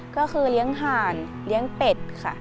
ก็คือเลี้ยงห่านเลี้ยงเป็ดค่ะ